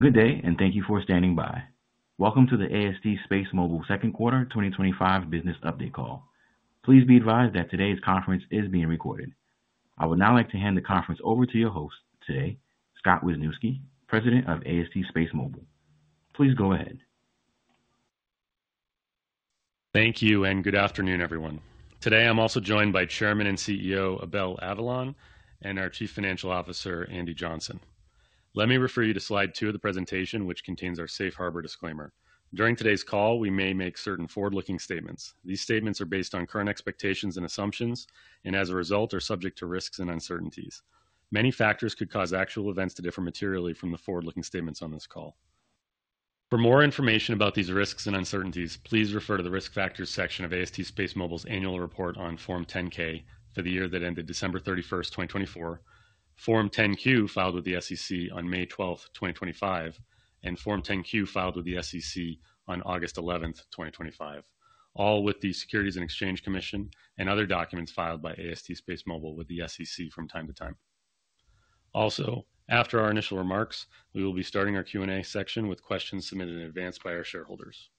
Good day, and thank you for standing by. Welcome to the AST SpaceMobile second quarter 2025 business update call. Please be advised that today's conference is being recorded. I would now like to hand the conference over to your host today, Scott Wisniewski, President of AST SpaceMobile. Please go ahead. Thank you, and good afternoon, everyone. Today, I'm also joined by Chairman and CEO Abel Avellan and our Chief Financial Officer, Andy Johnson. Let me refer you to slide two of the presentation, which contains our safe harbor disclaimer. During today's call, we may make certain forward-looking statements. These statements are based on current expectations and assumptions, and as a result, are subject to risks and uncertainties. Many factors could cause actual events to differ materially from the forward-looking statements on this call. For more information about these risks and uncertainties, please refer to the risk factors section of AST SpaceMobile's annual report on Form 10-K for the year that ended December 31st 2024, Form 10-Q filed with the SEC on May 12th 2025, and Form 10-Q filed with the SEC on August 11th 2025, all with the Securities and Exchange Commission and other documents filed by AST SpaceMobile with the SEC from time to time. Also, after our initial remarks, we will be starting our Q&A section with questions submitted in advance by our shareholders.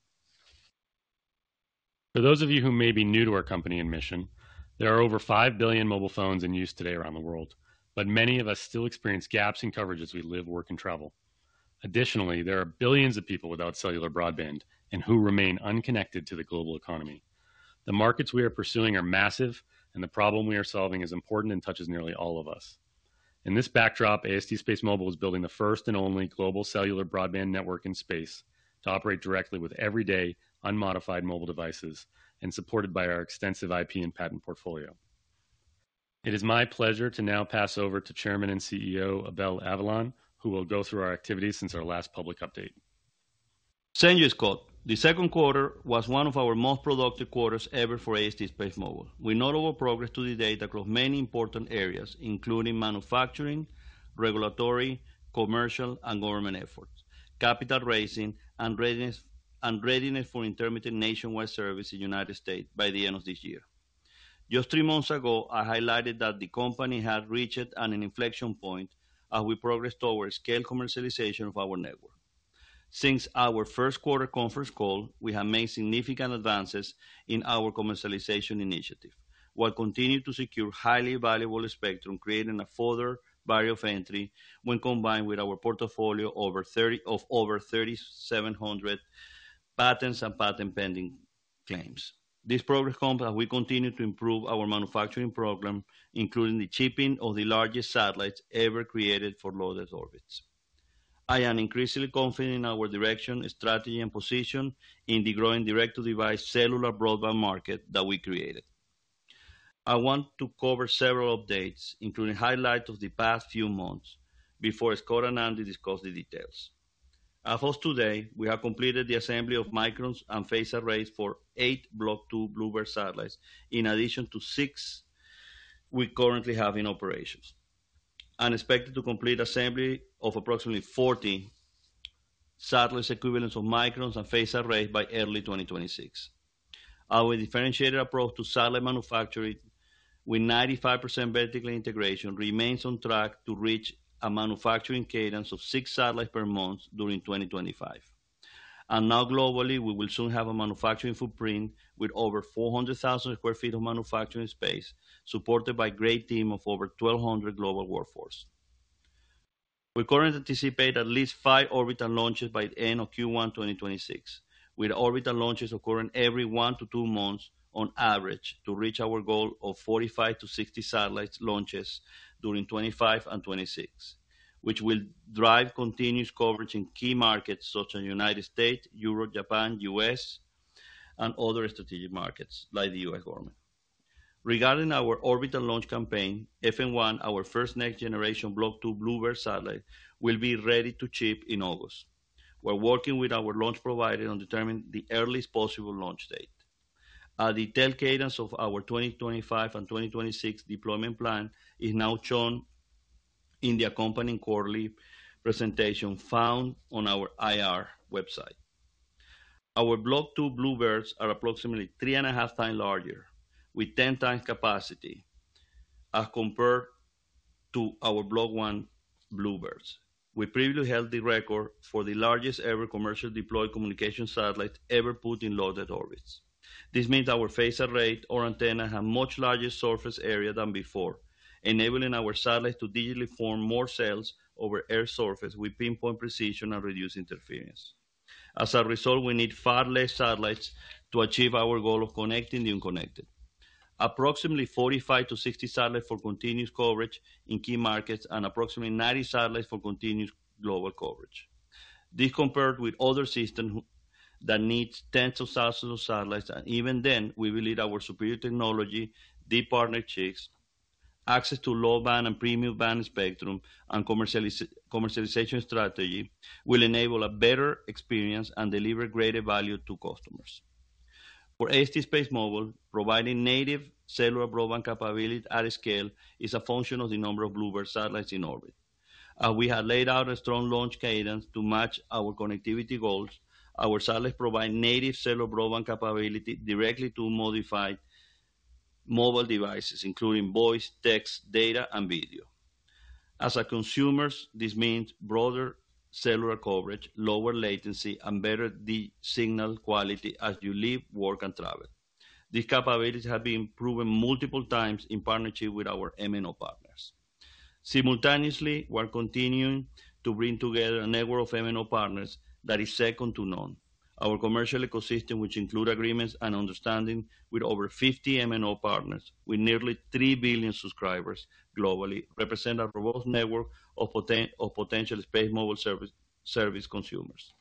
For those of you who may be new to our company and mission, there are over 5 billion mobile phones in use today around the world, but many of us still experience gaps in coverage as we live, work, and travel. Additionally, there are billions of people without cellular broadband and who remain unconnected to the global economy. The markets we are pursuing are massive, and the problem we are solving is important and touches nearly all of us. In this backdrop, AST SpaceMobile is building the first and only global cellular broadband network in space to operate directly with everyday, unmodified mobile devices and supported by our extensive IP and patent portfolio. It is my pleasure to now pass over to Chairman and CEO Abel Avellan, who will go through our activities since our last public update. Thank you, Scott. The second quarter was one of our most productive quarters ever for AST SpaceMobile. We noted our progress to date across many important areas, including manufacturing, regulatory, commercial, and government efforts, capital raising, and readiness for intermittent nationwide service in the United States by the end of this year. Just three months ago, I highlighted that the company had reached an inflection point as we progressed towards scale commercialization of our network. Since our first quarter conference call, we have made significant advances in our commercialization initiative, while continuing to secure highly valuable spectrum, creating a further barrier of entry when combined with our portfolio of over 3,700 patents and patent pending claims. This progress comes as we continue to improve our manufacturing program, including the shipping of the largest satellites ever created for low Earth orbits. I am increasingly confident in our direction, strategy, and position in the growing direct-to-device cellular broadband market that we created. I want to cover several updates, including highlights of the past few months, before Scott and Andy discuss the details. As of today, we have completed the assembly of microns and phased arrays for eight Block 2 BlueBird satellites, in addition to six we currently have in operation. I'm expected to complete the assembly of approximately 40 satellite equivalents of microns and phased arrays by early 2026. Our differentiated approach to satellite manufacturing, with 95% vertical integration, remains on track to reach a manufacturing cadence of six satellites per month during 2025. Globally, we will soon have a manufacturing footprint with over 400,000 sq ft of manufacturing space, supported by a great team of over 1,200 global workforce. We currently anticipate at least five orbital launches by the end of Q1 2026, with orbital launches occurring every one to two months on average to reach our goal of 45-60 satellite launches during 2025 and 2026, which will drive continuous coverage in key markets such as the United States, Europe, Japan, the U.S., and other strategic markets like the U.S. Government. Regarding our orbital launch campaign, FM1, our first next-generation Block 2 BlueBird satellite, will be ready to ship in August. We're working with our launch provider to determine the earliest possible launch date. A detailed cadence of our 2025 and 2026 deployment plan is now shown in the accompanying quarterly presentation found on our IR website. Our Block 2 BlueBird satellites are approximately 3.5x larger, with 10x capacity, as compared to our Block 1 BlueBirds. We previously held the record for the largest ever commercially deployed communication satellite ever put in low-Earth orbit. This means our phased array or antenna has a much larger surface area than before, enabling our satellites to digitally form more cells over air surface with pinpoint precision and reduced interference. As a result, we need far fewer satellites to achieve our goal of connecting the unconnected. Approximately 45-60 satellites for continuous coverage in key markets and approximately 90 satellites for continuous global coverage. This is compared with other systems that need tens of thousands of satellites, and even then, we believe our superior technology, deep partnerships, access to low band and premium band spectrum, and commercialization strategy will enable a better experience and deliver greater value to customers. For AST SpaceMobile, providing native cellular broadband capability at scale is a function of the number of BlueBird satellites in orbit. As we have laid out a strong launch cadence to match our connectivity goals, our satellites provide native cellular broadband capability directly to unmodified mobile devices, including voice, text, data, and video. As consumers, this means broader cellular coverage, lower latency, and better signal quality as you live, work, and travel. These capabilities have been proven multiple times in partnership with our mobile network operator partners. Simultaneously, we're continuing to bring together a network of mobile network operator partners that is second to none. Our commercial ecosystem, which includes agreements and understandings with over 50 MNO partners, with nearly 3 billion subscribers globally, represents a robust network of potential SpaceMobile service consumers.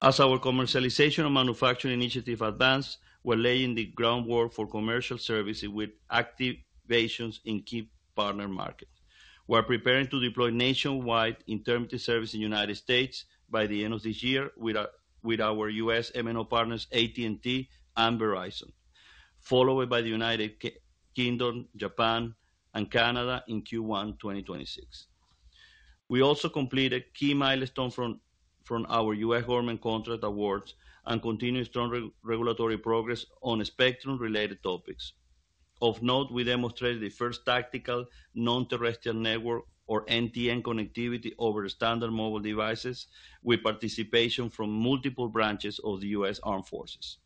As our commercialization and manufacturing initiatives advance, we're laying the groundwork for commercial services with activations in key partner markets. We're preparing to deploy nationwide intermittent service in the United States by the end of this year with our U.S. mobile network operator partners AT&T and Verizon, followed by the United Kingdom, Japan, and Canada in Q1 2026. We also completed key milestones from our U.S. Government contract awards and continued strong regulatory progress on spectrum-related topics. Of note, we demonstrated the first tactical non-terrestrial network or NTN connectivity over standard mobile devices with participation from multiple branches of the U.S. Armed Forces.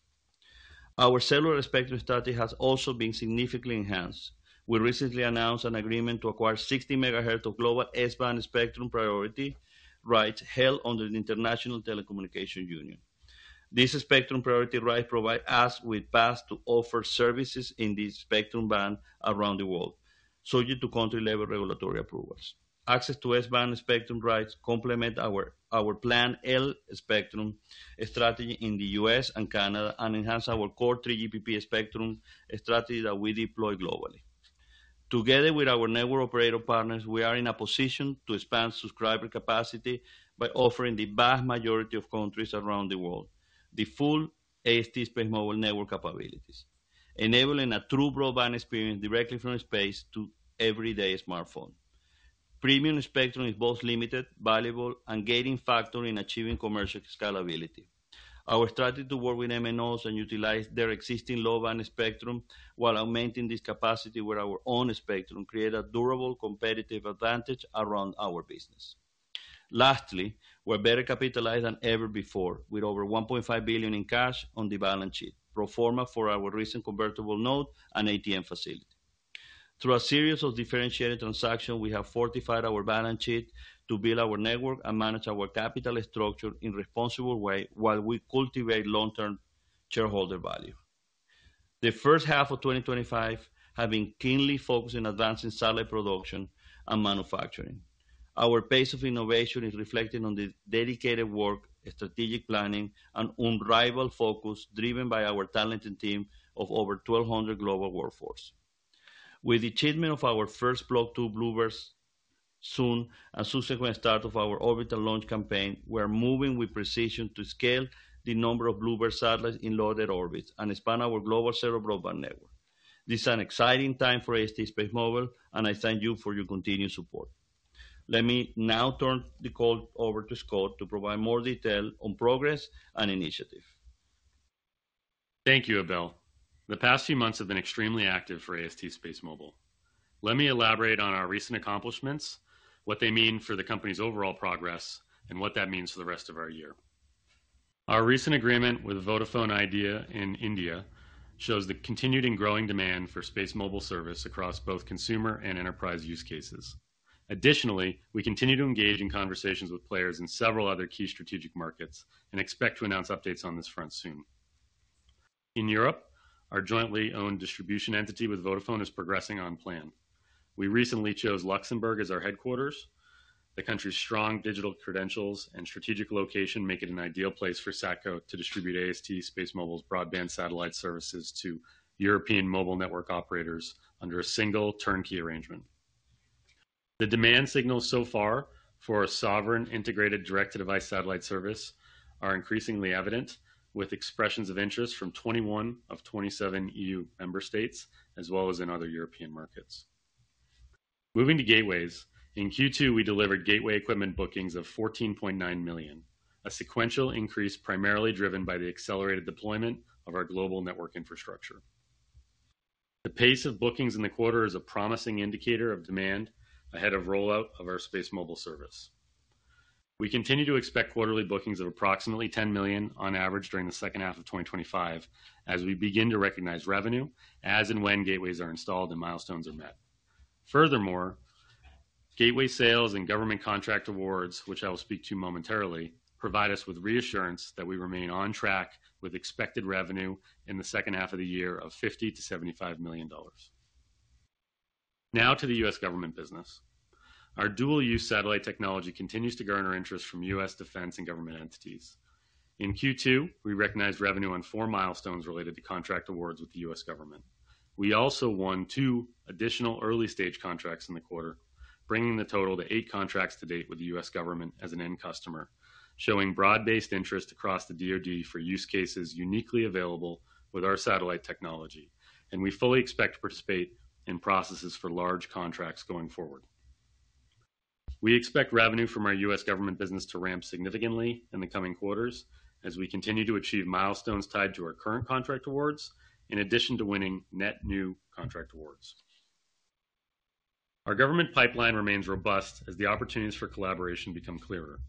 Our cellular spectrum study has also been significantly enhanced. We recently announced an agreement to acquire 60 MHz of global S-Band spectrum priority rights held under the International Telecommunication Union. These spectrum priority rights provide us with a path to offer services in the spectrum band around the world, subject to country-level regulatory approvals. Access to S-Band spectrum rights complements our plan L spectrum strategy in the U.S. and Canada and enhances our core 3GPP spectrum strategy that we deploy globally. Together with our network operator partners, we are in a position to expand subscriber capacity by offering the vast majority of countries around the world the full AST SpaceMobile network capabilities, enabling a true broadband experience directly from space to everyday smartphone. Premium spectrum is both limited, valuable, and a gating factor in achieving commercial scalability. Our strategy to work with MNOs and utilize their existing low band spectrum while augmenting this capacity with our own spectrum creates a durable competitive advantage around our business. Lastly, we're better capitalized than ever before, with over $1.5 billion in cash on the balance sheet, pro forma for our recent convertible note and ATM facility. Through a series of differentiated transactions, we have fortified our balance sheet to build our network and manage our capital structure in a responsible way while we cultivate long-term shareholder value. The first half of 2025 has been keenly focused on advancing satellite production and manufacturing. Our pace of innovation is reflected in the dedicated work, strategic planning, and unrivaled focus driven by our talented team of over 1,200 global workforce. With the achievement of our first Block 2 BlueBirds soon and the subsequent start of our orbital launch campaign, we're moving with precision to scale the number of BlueBird satellites in low Earth orbits and expand our global cellular broadband network. This is an exciting time for AST SpaceMobile, and I thank you for your continued support. Let me now turn the call over to Scott to provide more detail on progress and initiative. Thank you, Abel. The past few months have been extremely active for AST SpaceMobile. Let me elaborate on our recent accomplishments, what they mean for the company's overall progress, and what that means for the rest of our year. Our recent agreement with Vodafone Idea in India shows the continued and growing demand for SpaceMobile service across both consumer and enterprise use cases. Additionally, we continue to engage in conversations with players in several other key strategic markets and expect to announce updates on this front soon. In Europe, our jointly owned distribution entity with Vodafone is progressing on plan. We recently chose Luxembourg as our headquarters. The country's strong digital credentials and strategic location make it an ideal place for [SatCo] to distribute AST SpaceMobile's broadband satellite services to European mobile network operators under a single turnkey arrangement. The demand signals so far for a sovereign integrated direct-to-device satellite service are increasingly evident, with expressions of interest from 21 of 27 EU member states, as well as in other European markets. Moving to gateways, in Q2, we delivered gateway equipment bookings of $14.9 million, a sequential increase primarily driven by the accelerated deployment of our global network infrastructure. The pace of bookings in the quarter is a promising indicator of demand ahead of rollout of our SpaceMobile service. We continue to expect quarterly bookings of approximately $10 million on average during the second half of 2025 as we begin to recognize revenue as and when gateways are installed and milestones are met. Furthermore, gateway sales and government contract awards, which I will speak to momentarily, provide us with reassurance that we remain on track with expected revenue in the second half of the year of $50 million-$75 million. Now to the U.S. Government business. Our dual-use satellite technology continues to garner interest from U.S. defense and government entities. In Q2, we recognized revenue on four milestones related to contract awards with the U.S. Government. We also won two additional early-stage contracts in the quarter, bringing the total to eight contracts to date with the U.S. Government as an end customer, showing broad-based interest across the DOD for use cases uniquely available with our satellite technology. We fully expect to participate in processes for large contracts going forward. We expect revenue from our U.S. Government business to ramp significantly in the coming quarters as we continue to achieve milestones tied to our current contract awards, in addition to winning net new contract awards. Our government pipeline remains robust as the opportunities for collaboration become clearer.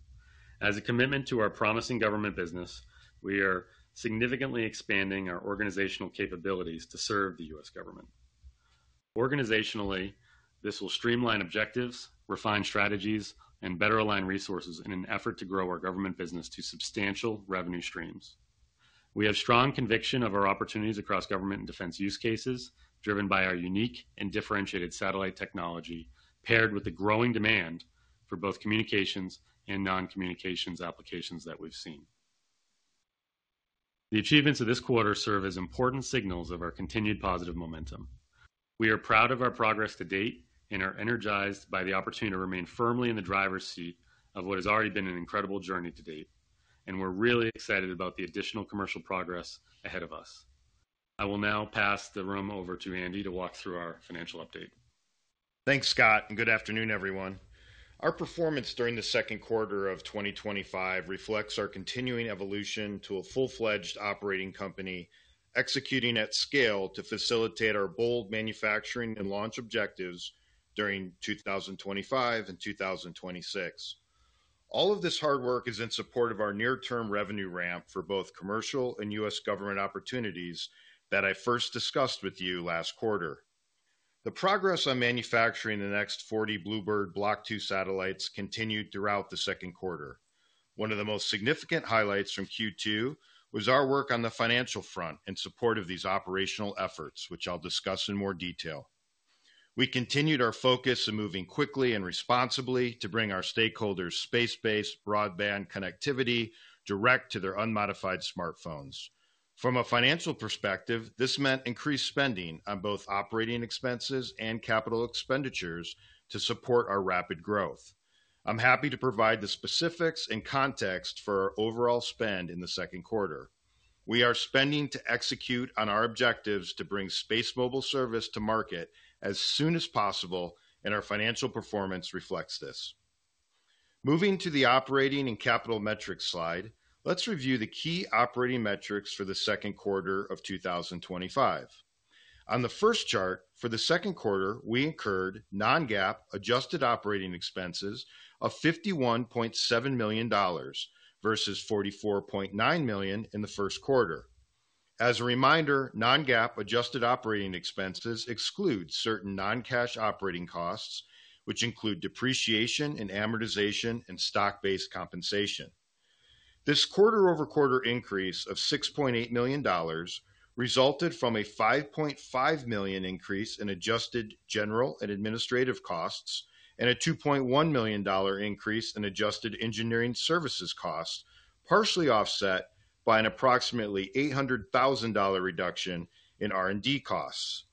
As a commitment to our promising government business, we are significantly expanding our organizational capabilities to serve the U.S. Government. Organizationally, this will streamline objectives, refine strategies, and better align resources in an effort to grow our government business to substantial revenue streams. We have strong conviction of our opportunities across government and defense use cases, driven by our unique and differentiated satellite technology, paired with the growing demand for both communications and non-communications applications that we've seen. The achievements of this quarter serve as important signals of our continued positive momentum. We are proud of our progress to date and are energized by the opportunity to remain firmly in the driver's seat of what has already been an incredible journey to date. We are really excited about the additional commercial progress ahead of us. I will now pass the room over to Andy to walk through our financial update. Thanks, Scott, and good afternoon, everyone. Our performance during the second quarter of 2025 reflects our continuing evolution to a full-fledged operating company, executing at scale to facilitate our bold manufacturing and launch objectives during 2025 and 2026. All of this hard work is in support of our near-term revenue ramp for both commercial and U.S. Government opportunities that I first discussed with you last quarter. The progress on manufacturing the next 40 BlueBird Block 2 satellites continued throughout the second quarter. One of the most significant highlights from Q2 was our work on the financial front in support of these operational efforts, which I'll discuss in more detail. We continued our focus in moving quickly and responsibly to bring our stakeholders' space-based broadband connectivity direct to their unmodified smartphones. From a financial perspective, this meant increased spending on both operating expenses and capital expenditures to support our rapid growth. I'm happy to provide the specifics and context for our overall spend in the second quarter. We are spending to execute on our objectives to bring SpaceMobile service to market as soon as possible, and our financial performance reflects this. Moving to the operating and capital metrics slide, let's review the key operating metrics for the second quarter of 2025. On the first chart for the second quarter, we incurred non-GAAP adjusted operating expenses of $51.7 million versus $44.9 million in the first quarter. As a reminder, non-GAAP adjusted operating expenses exclude certain non-cash operating costs, which include depreciation and amortization and stock-based compensation. This quarter-over-quarter increase of $6.8 million resulted from a $5.5 million increase in adjusted general and administrative costs and a $2.1 million increase in adjusted engineering services costs, partially offset by an approximately $800,000 reduction in R&D costs.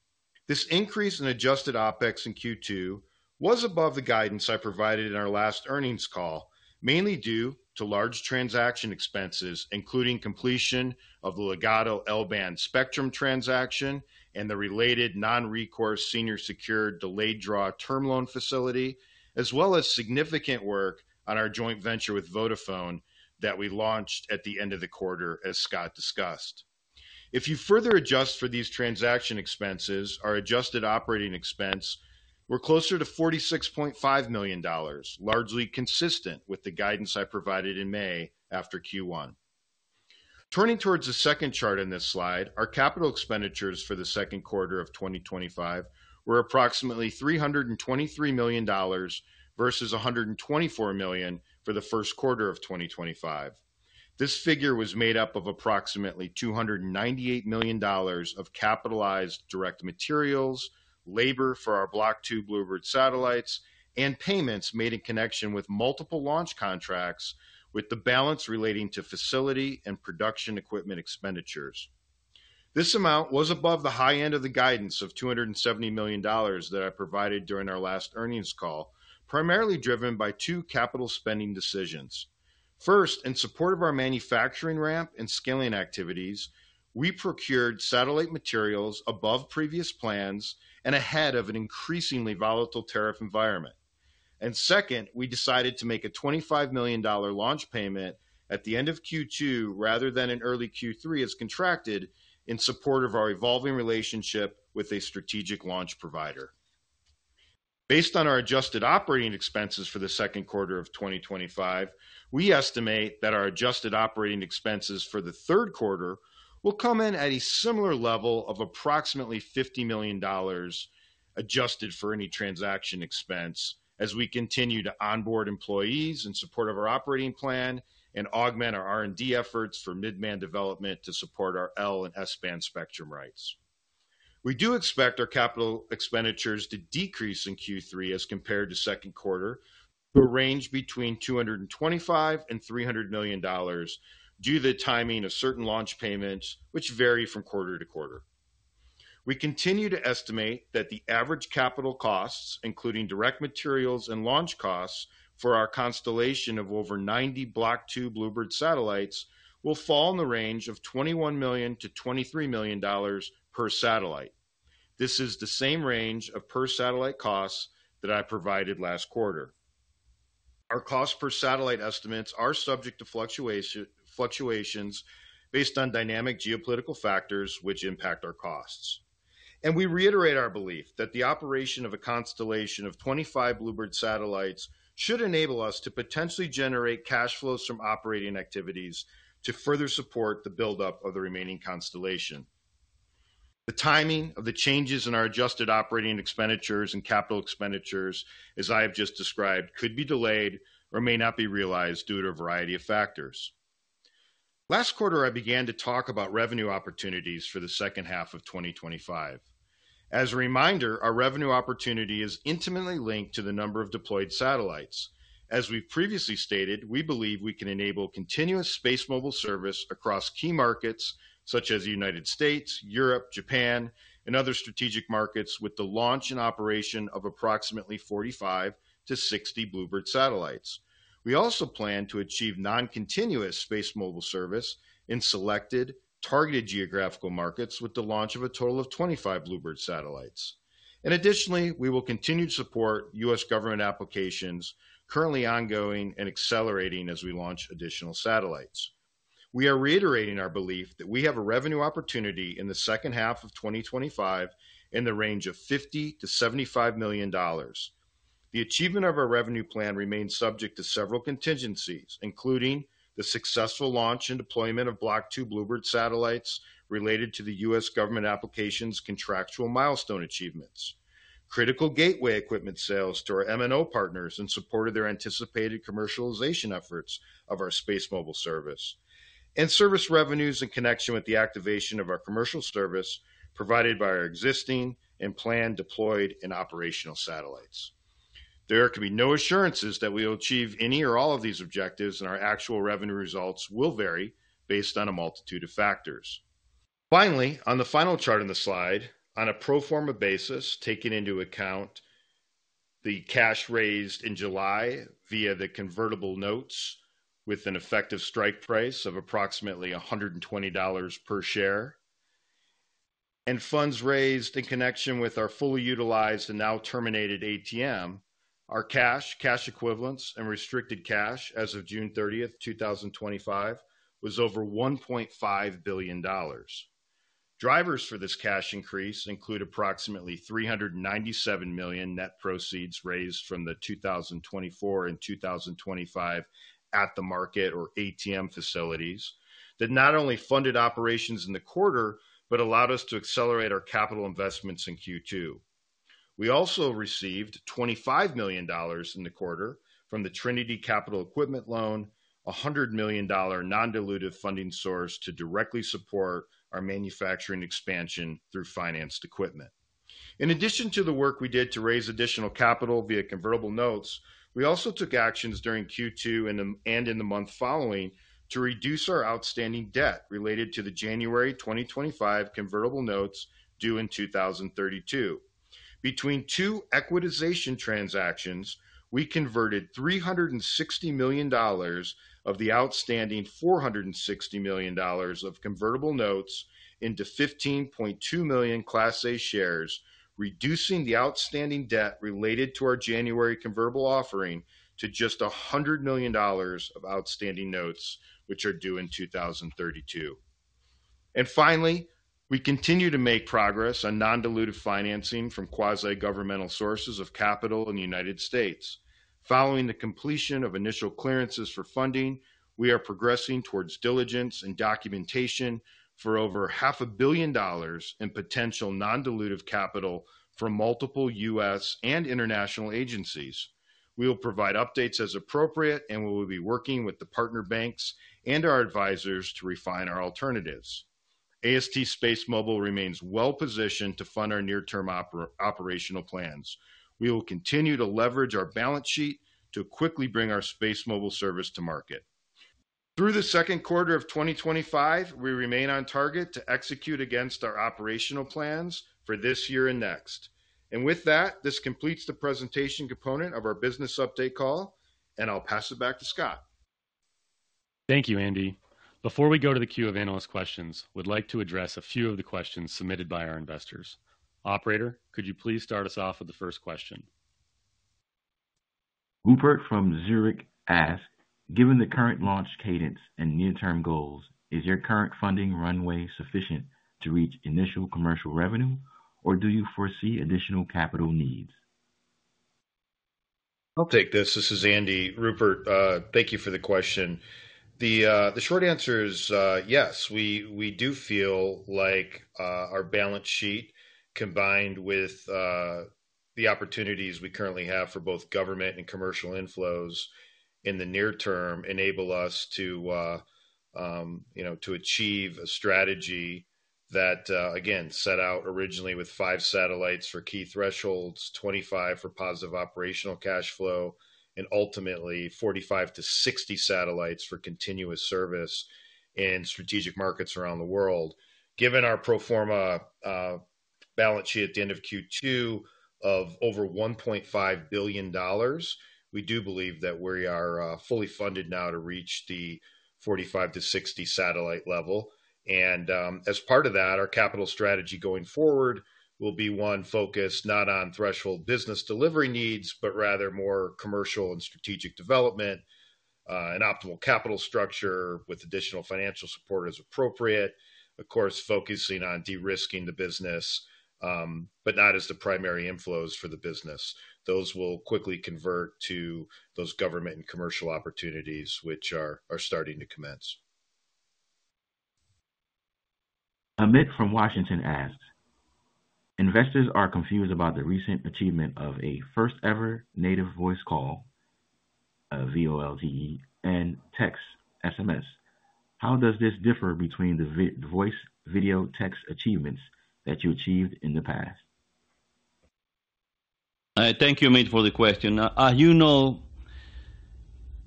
This increase in adjusted OpEx in Q2 was above the guidance I provided in our last earnings call, mainly due to large transaction expenses, including completion of the Ligado L-Band spectrum transaction and the related non-recourse senior secured delayed draw term loan facility, as well as significant work on our joint venture with Vodafone that we launched at the end of the quarter, as Scott discussed. If you further adjust for these transaction expenses, our adjusted operating expense was closer to $46.5 million, largely consistent with the guidance I provided in May after Q1. Turning towards the second chart on this slide, our capital expenditures for the second quarter of 2025 were approximately $323 million versus $124 million for the first quarter of 2025. This figure was made up of approximately $298 million of capitalized direct materials, labor for our Block 2 BlueBird satellites, and payments made in connection with multiple launch contracts, with the balance relating to facility and production equipment expenditures. This amount was above the high end of the guidance of $270 million that I provided during our last earnings call, primarily driven by two capital spending decisions. First, in support of our manufacturing ramp and scaling activities, we procured satellite materials above previous plans and ahead of an increasingly volatile tariff environment. Second, we decided to make a $25 million launch payment at the end of Q2 rather than in early Q3, as contracted in support of our evolving relationship with a strategic launch provider. Based on our adjusted operating expenses for the second quarter of 2025, we estimate that our adjusted operating expenses for the third quarter will come in at a similar level of approximately $50 million adjusted for any transaction expense as we continue to onboard employees in support of our operating plan and augment our R&D efforts for mid-man development to support our L and S-Band spectrum rights. We do expect our capital expenditures to decrease in Q3 as compared to the second quarter to a range between $225 million and $300 million due to the timing of certain launch payments, which vary from quarter to quarter. We continue to estimate that the average capital costs, including direct materials and launch costs for our constellation of over 90 Block 2 BlueBird satellites, will fall in the range of $21 million-$23 million per satellite. This is the same range of per satellite costs that I provided last quarter. Our cost per satellite estimates are subject to fluctuations based on dynamic geopolitical factors, which impact our costs. We reiterate our belief that the operation of a constellation of 25 BlueBird satellites should enable us to potentially generate cash flows from operating activities to further support the buildup of the remaining constellation. The timing of the changes in our adjusted operating expenditures and capital expenditures, as I have just described, could be delayed or may not be realized due to a variety of factors. Last quarter, I began to talk about revenue opportunities for the second half of 2025. As a reminder, our revenue opportunity is intimately linked to the number of deployed satellites. As we previously stated, we believe we can enable continuous SpaceMobile service across key markets such as the United States, Europe, Japan, and other strategic markets with the launch and operation of approximately 45-60 BlueBird satellites. We also plan to achieve non-continuous SpaceMobile service in selected, targeted geographical markets with the launch of a total of 25 BlueBird satellites. Additionally, we will continue to support U.S. Government applications currently ongoing and accelerating as we launch additional satellites. We are reiterating our belief that we have a revenue opportunity in the second half of 2025 in the range of $50 million-$75 million. The achievement of our revenue plan remains subject to several contingencies, including the successful launch and deployment of Block 2 BlueBird satellites related to the U.S. Government application's contractual milestone achievements, critical gateway equipment sales to our MNO partners in support of their anticipated commercialization efforts of our SpaceMobile service, and service revenues in connection with the activation of our commercial service provided by our existing and planned deployed and operational satellites. There can be no assurances that we will achieve any or all of these objectives, and our actual revenue results will vary based on a multitude of factors. Finally, on the final chart on the slide, on a pro forma basis, taking into account the cash raised in July via the convertible notes with an effective strike price of approximately $120 per share and funds raised in connection with our fully utilized and now terminated ATM, our cash, cash equivalents, and restricted cash as of June 30th 2025, was over $1.5 billion. Drivers for this cash increase include approximately $397 million net proceeds raised from the 2024 and 2025 at the market or ATM facilities that not only funded operations in the quarter but allowed us to accelerate our capital investments in Q2. We also received $25 million in the quarter from the Trinity Capital Equipment Loan, a $100 million non-dilutive funding source to directly support our manufacturing expansion through financed equipment. In addition to the work we did to raise additional capital via convertible notes, we also took actions during Q2 and in the month following to reduce our outstanding debt related to the January 2025 convertible notes due in 2032. Between two equitization transactions, we converted $360 million of the outstanding $460 million of convertible notes into 15.2 million Class A shares, reducing the outstanding debt related to our January convertible offering to just $100 million of outstanding notes, which are due in 2032. Finally, we continue to make progress on non-dilutive financing from quasi-governmental sources of capital in the United States Following the completion of initial clearances for funding, we are progressing towards diligence and documentation for over $500 million in potential non-dilutive capital from multiple U.S. and international agencies. We will provide updates as appropriate, and we will be working with the partner banks and our advisors to refine our alternatives. AST SpaceMobile remains well-positioned to fund our near-term operational plans. We will continue to leverage our balance sheet to quickly bring our SpaceMobile service to market. Through the second quarter of 2025, we remain on target to execute against our operational plans for this year and next. With that, this completes the presentation component of our business update call, and I'll pass it back to Scott. Thank you, Andy. Before we go to the queue of analyst questions, we'd like to address a few of the questions submitted by our investors. Operator, could you please start us off with the first question? Rupert from Zurich asks, given the current launch cadence and near-term goals, is your current funding runway sufficient to reach initial commercial revenue, or do you foresee additional capital needs? I'll take this. This is Andy. Rupert, thank you for the question. The short answer is yes. We do feel like our balance sheet, combined with the opportunities we currently have for both government and commercial inflows in the near term, enable us to achieve a strategy that, again, set out originally with five satellites for key thresholds, 25 for positive operational cash flow, and ultimately 45-60 satellites for continuous service in strategic markets around the world. Given our pro forma balance sheet at the end of Q2 of over $1.5 billion, we do believe that we are fully funded now to reach the 45-60 satellite level. As part of that, our capital strategy going forward will be one focused not on threshold business delivery needs, but rather more commercial and strategic development, an optimal capital structure with additional financial support as appropriate, of course, focusing on de-risking the business, but not as the primary inflows for the business. Those will quickly convert to those government and commercial opportunities which are starting to commence. Amit from Washington asks, investors are confused about the recent achievement of a first-ever native voice call, VoLTE, and text, SMS. How does this differ between the voice, video, text achievements that you achieved in the past? Thank you, Amit, for the question. As you know,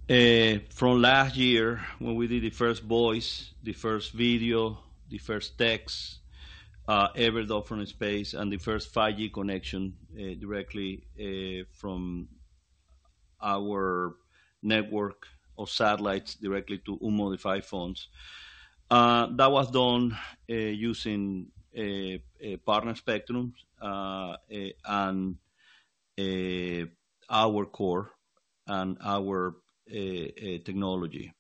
from last year, when we did the first voice, the first video, the first text ever done from space, and the first 5G connection directly from our network of satellites directly to unmodified phones, that was done using partner spectrum and our core and our technology.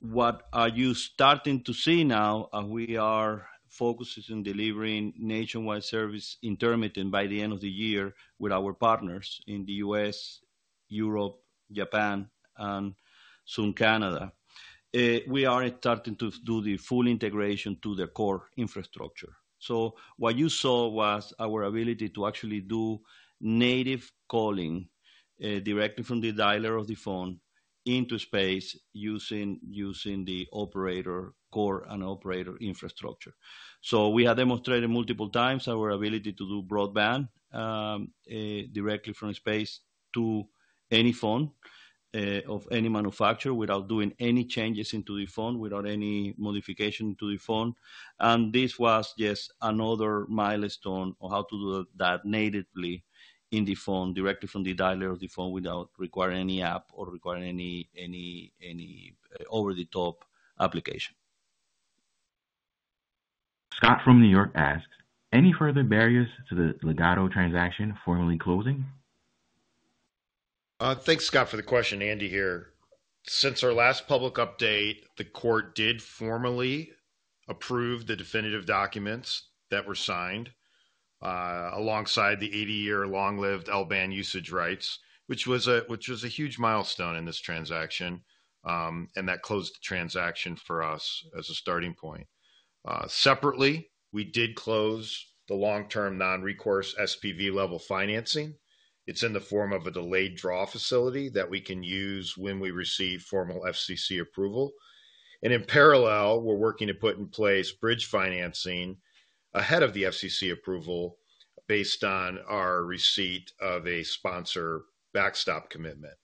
What you are starting to see now as we are focusing on delivering nationwide service intermittent by the end of the year with our partners in the U.S., Europe, Japan, and soon Canada, we are starting to do the full integration to the core infrastructure. What you saw was our ability to actually do native calling directly from the dialer of the phone into space using the operator core and operator infrastructure. We have demonstrated multiple times our ability to do broadband directly from space to any phone of any manufacturer without doing any changes into the phone, without any modification to the phone. This was just another milestone of how to do that natively in the phone directly from the dialer of the phone without requiring any app or requiring any over-the-top application. Scott from New York asks, any further barriers to the Ligado transaction formally closing? Thanks, Scott, for the question. Andy here. Since our last public update, the court did formally approve the definitive documents that were signed alongside the 80-year long-lived L-Band usage rights, which was a huge milestone in this transaction, and that closed the transaction for us as a starting point. Separately, we did close the long-term non-recourse SPV-level financing. It's in the form of a delayed draw facility that we can use when we receive formal FCC approval. In parallel, we're working to put in place bridge financing ahead of the FCC approval based on our receipt of a sponsor backstop commitment.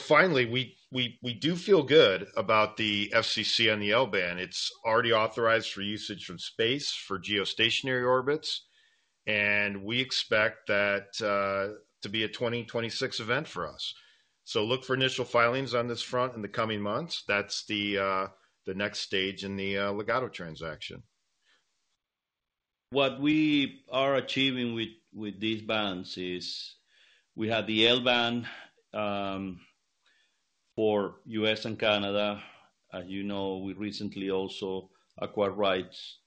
Finally, we do feel good about the FCC on the L-Band. It's already authorized for usage from space for geostationary orbits, and we expect that to be a 2026 event for us. Look for initial filings on this front in the coming months. That's the next stage in the Ligado transaction. What we are achieving with these bands is we have the L-Band for the U.S. and Canada. As you know, we recently also acquired rights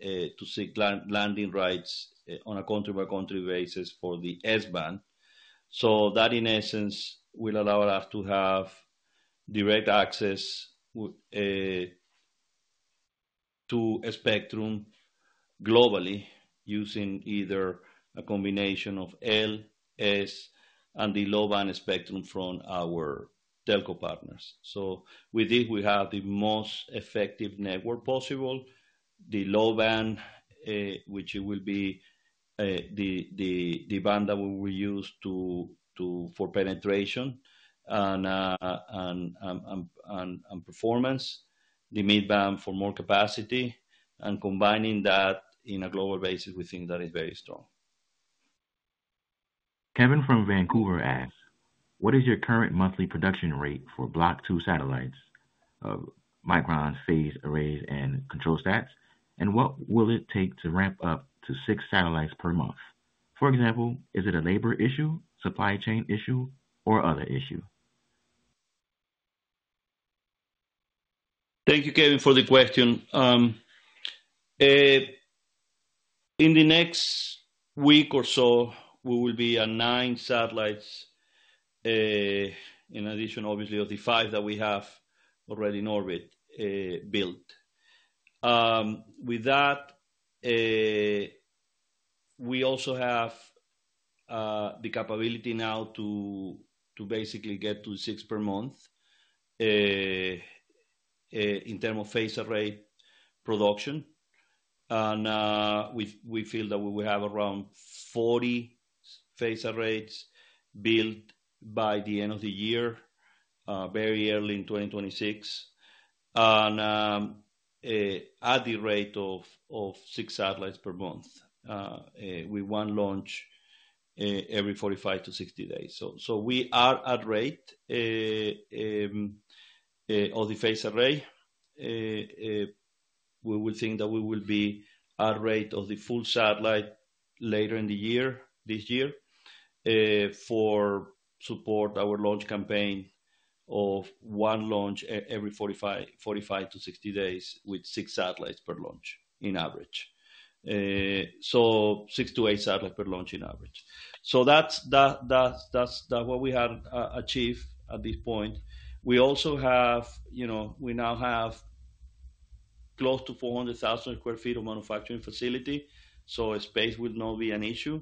to seek landing rights on a country-by-country basis for the S-Band. That, in essence, will allow us to have direct access to spectrum globally using either a combination of L, S, and the low-band spectrum from our telco partners. With this, we have the most effective network possible. The low band, which will be the band that we will use for penetration and performance, the mid band for more capacity, and combining that on a global basis, we think that is very strong. Kevin from Vancouver asks, what is your current monthly production rate for Block 2 satellites of microns, phased arrays, and control stats? What will it take to ramp up to six satellites per month? For example, is it a labor issue, supply chain issue, or other issue? Thank you, Kevin, for the question. In the next week or so, we will be at nine satellites in addition, obviously, to the five that we have already in orbit built. With that, we also have the capability now to basically get to six per month in terms of phased array production. We feel that we will have around 40 phased arrays built by the end of the year, very early in 2026, and at the rate of six satellites per month. We want to launch every 45 to 60 days. We are at rate of the phased array. We think that we will be at rate of the full satellite later in the year, this year, to support our launch campaign of one launch every 45 to 60 days with six satellites per launch on average, six to eight satellites per launch on average. That's what we have achieved at this point. We also have, you know, we now have close to 400,000 sq ft of manufacturing facility, so space will not be an issue.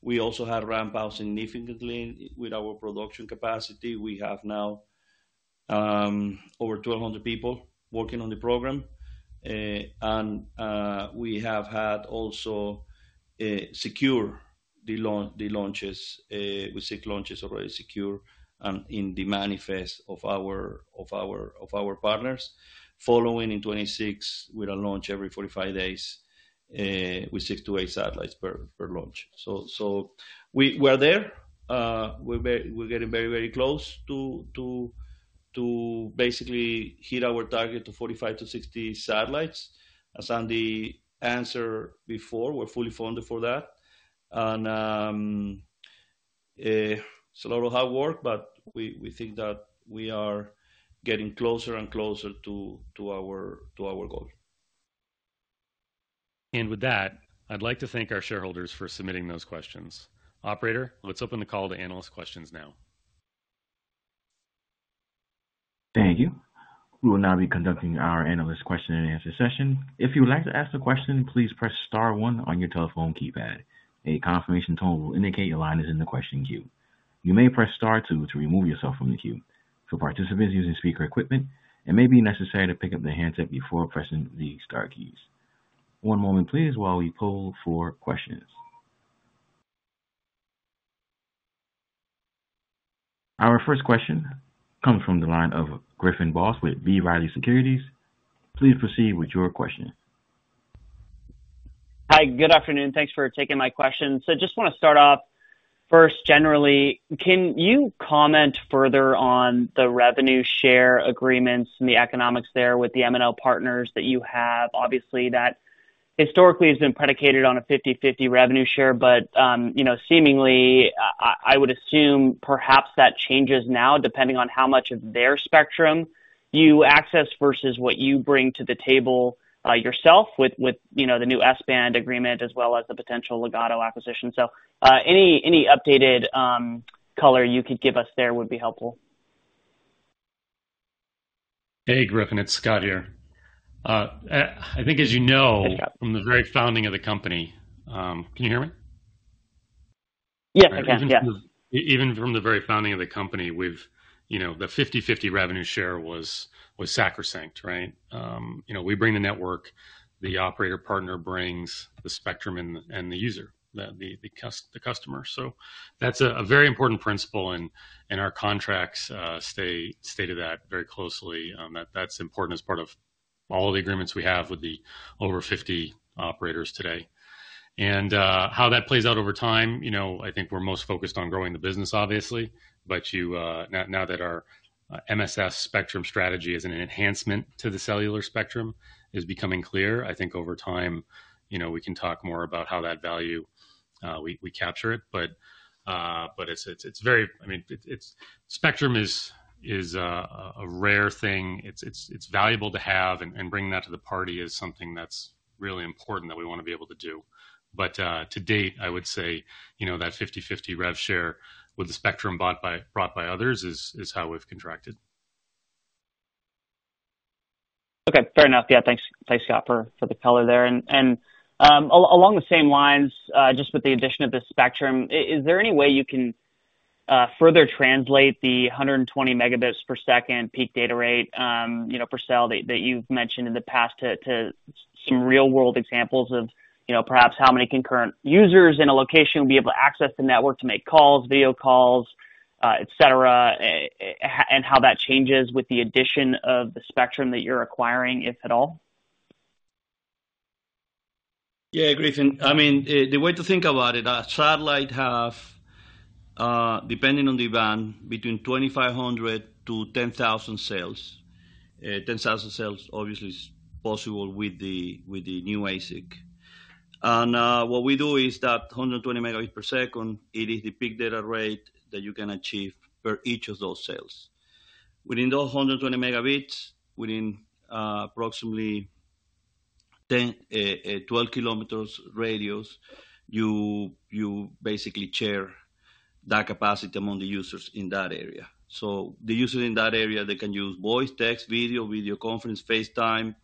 We also have ramped up significantly with our production capacity. We have now over 1,200 people working on the program. We have also secured the launches, with six launches already secured and in the manifest of our partners, following in 2026 with a launch every 45 days with six to eight satellites per launch. We are there. We're getting very, very close to basically hitting our target of 45-60 satellites. As Andy answered before, we're fully funded for that. It's a lot of hard work, but we think that we are getting closer and closer to our goal. I'd like to thank our shareholders for submitting those questions. Operator, let's open the call to analyst questions now. Thank you. We will now be conducting our analyst question and answer session. If you would like to ask a question, please press star one on your telephone keypad. A confirmation tone will indicate your line is in the question queue. You may press star two to remove yourself from the queue. For participants using speaker equipment, it may be necessary to pick up the handset before pressing the star keys. One moment, please, while we pull for questions. Our first question comes from the line of Griffin Boss with B. Riley Securities. Please proceed with your question. Hi, good afternoon. Thanks for taking my question. I just want to start off first generally. Can you comment further on the revenue share agreements and the economics there with the MNO partners that you have? Obviously, that historically has been predicated on a 50/50 revenue share, but I would assume perhaps that changes now depending on how much of their spectrum you access versus what you bring to the table yourself with the new S-Band agreement as well as the potential Ligado acquisition. Any updated color you could give us there would be helpful. Hey, Griffin. It's Scott here. I think, as you know, from the very founding of the company, can you hear me? Yes, I can. Even from the very founding of the company, the 50/50 revenue share was sacrosanct. Right? We bring the network, the operator partner brings the spectrum and the user, the customer. That's a very important principle, and our contracts state that very closely. That's important as part of all the agreements we have with the over 50 operators today. How that plays out over time, I think we're most focused on growing the business, obviously. You know that our MSS spectrum strategy is an enhancement to the cellular spectrum, it's becoming clear. I think over time, we can talk more about how that value we capture it. It's very, I mean, spectrum is a rare thing. It's valuable to have, and bringing that to the party is something that's really important that we want to be able to do. To date, I would say that 50/50 rev share with the spectrum brought by others is how we've contracted. OK, fair enough. Yeah, thanks, Scott, for the color there. Along the same lines, just with the addition of the spectrum, is there any way you can further translate the 120 Mbps peak data rate per cell that you've mentioned in the past to some real-world examples of perhaps how many concurrent users in a location would be able to access the network to make calls, video calls, et cetera, and how that changes with the addition of the spectrum that you're acquiring, if at all? Yeah, Griffin. I mean, the way to think about it, a satellite has, depending on the band, between 2,500-10,000 cells. 10,000 cells, obviously, is possible with the new ASIC chips. What we do is that 120 Mbps is the peak data rate that you can achieve per each of those cells. Within those 120 Mbps, within approximately 12 km radius, you basically share that capacity among the users in that area. The users in that area can use voice, text, video, video conference, FaceTime,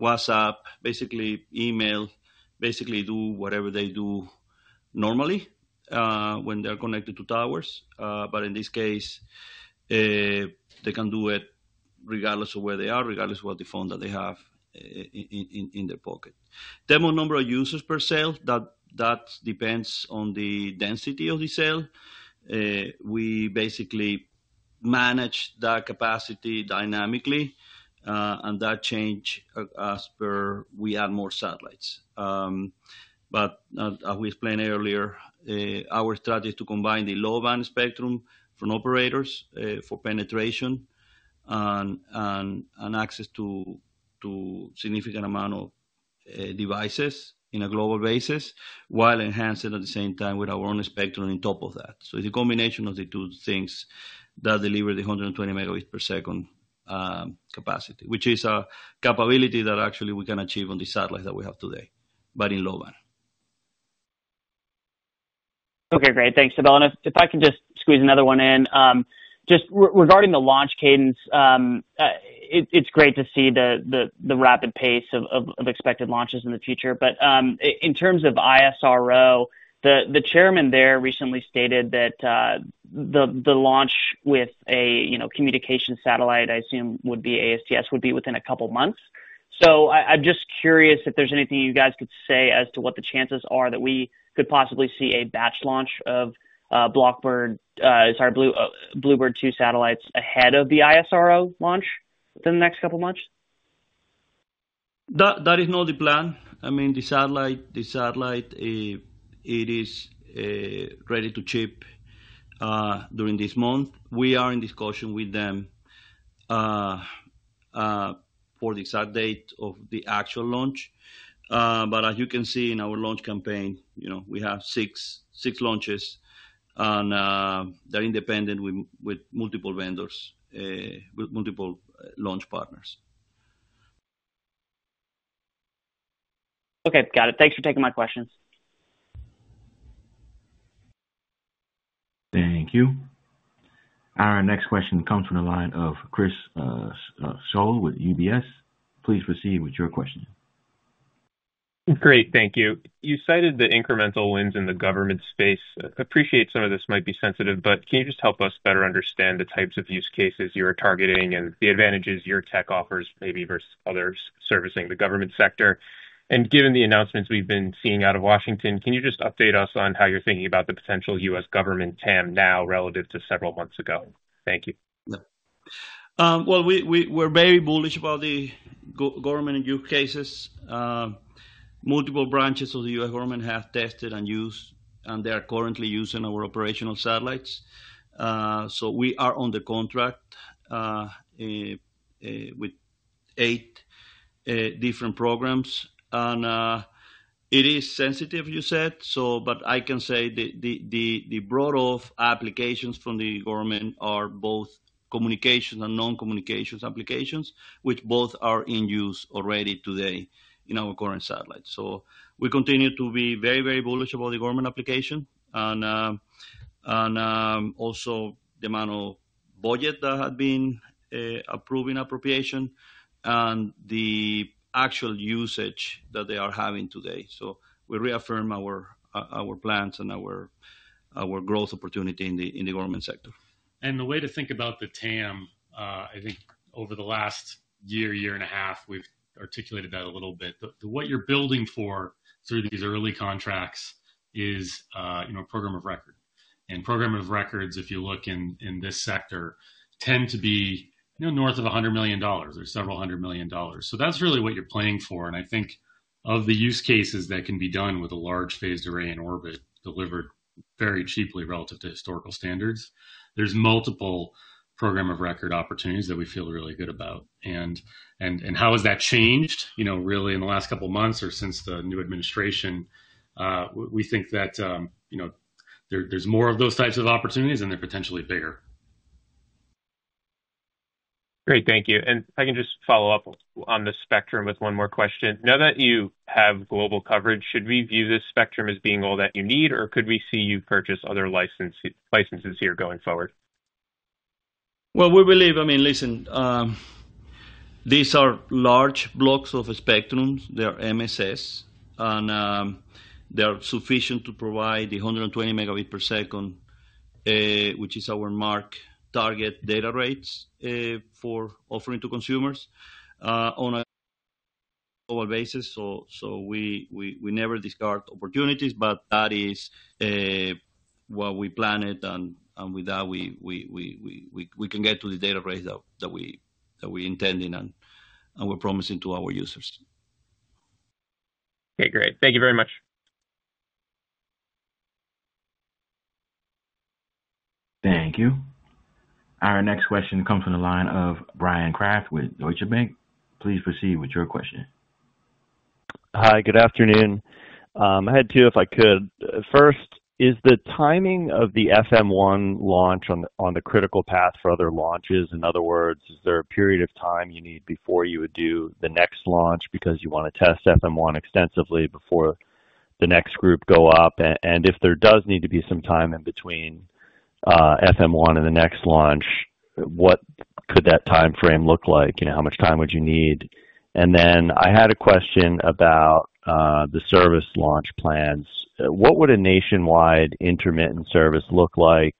WhatsApp, basically email, basically do whatever they do normally when they're connected to towers. In this case, they can do it regardless of where they are, regardless of what the phone that they have in their pocket. The number of users per cell depends on the density of the cell. We basically manage that capacity dynamically, and that changes as we add more satellites. As we explained earlier, our strategy is to combine the low band spectrum from operators for penetration and access to a significant amount of devices on a global basis, while enhancing at the same time with our own spectrum on top of that. It's a combination of the two things that deliver the 120 Mbps capacity, which is a capability that actually we can achieve on the satellites that we have today, but in low band. OK, great. Thanks, Abel. If I can just squeeze another one in, just regarding the launch cadence, it's great to see the rapid pace of expected launches in the future. In terms of ISRO, the Chairman there recently stated that the launch with a communication satellite, I assume, would be ASTS, would be within a couple of months. I'm just curious if there's anything you guys could say as to what the chances are that we could possibly see a batch launch of [Block 2 BlueBird] satellites ahead of the ISRO launch within the next couple of months? That is not the plan. I mean, the satellite, it is ready to ship during this month. We are in discussion with them for the exact date of the actual launch. As you can see in our launch campaign, we have six launches, and they're independent with multiple vendors, with multiple launch partners. OK, got it. Thanks for taking my questions. Thank you. Our next question comes from the line of Chris Schoell with UBS. Please proceed with your question. Great, thank you. You cited the incremental wins in the government space. I appreciate some of this might be sensitive, but can you just help us better understand the types of use cases you are targeting and the advantages your tech offers maybe versus others servicing the government sector? Given the announcements we've been seeing out of Washington, can you just update us on how you're thinking about the potential U.S. Government TAM now relative to several months ago? Thank you. We're very bullish about the government use cases. Multiple branches of the U.S. Government have tested and used, and they are currently using our operational satellites. We are on the contract with eight different programs. It is sensitive, you said, but I can say the broad-off applications from the government are both communications and non-communications applications, which both are in use already today in our current satellite. We continue to be very, very bullish about the government application and also the amount of budget that has been approved in appropriation and the actual usage that they are having today. We reaffirm our plans and our growth opportunity in the government sector. The way to think about the TAM, I think over the last year, year and a half, we've articulated that a little bit. What you're building for through these early contracts is a program of record. Program of records, if you look in this sector, tend to be north of $100 million or several hundred million dollars. That's really what you're playing for. I think of the use cases that can be done with a large phased array in orbit delivered very cheaply relative to historical standards, there's multiple program of record opportunities that we feel really good about. How has that changed really in the last couple of months or since the new administration? We think that there's more of those types of opportunities, and they're potentially bigger. Great, thank you. If I can just follow up on the spectrum with one more question. Now that you have global coverage, should we view this spectrum as being all that you need, or could we see you purchase other licenses here going forward? These are large blocks of spectrum. They are MSS, and they're sufficient to provide the 120 Mbps, which is our mark target data rates for offering to consumers on a global basis. We never discard opportunities, but that is what we planned. With that, we can get to the data rates that we intend and we're promising to our users. OK, great. Thank you very much. Thank you. Our next question comes from the line of Bryan Kraft with Deutsche Bank. Please proceed with your question. Hi, good afternoon. I had two, if I could. First, is the timing of the FM1 launch on the critical path for other launches? In other words, is there a period of time you need before you would do the next launch because you want to test FM1 extensively before the next group go up? If there does need to be some time in between FM1 and the next launch, what could that time frame look like? How much time would you need? I had a question about the service launch plans. What would a nationwide intermittent service look like?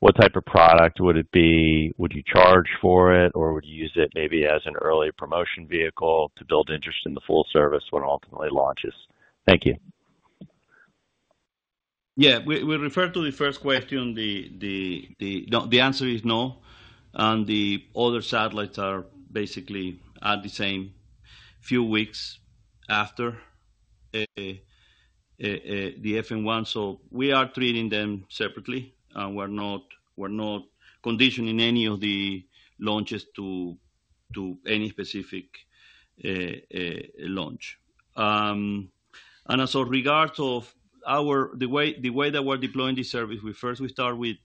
What type of product would it be? Would you charge for it, or would you use it maybe as an early promotion vehicle to build interest in the full service when it ultimately launches? Thank you. Yeah, with reference to the first question, the answer is no. The other satellites are basically at the same few weeks after the FM1. We are treating them separately. We're not conditioning any of the launches to any specific launch. Regardless of the way that we're deploying this service, first we start with